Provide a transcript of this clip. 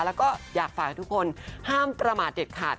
แล้วก็อยากฝากทุกคนห้ามประมาทเด็ดขาด